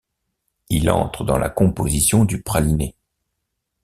Il entre dans la composition du praliné.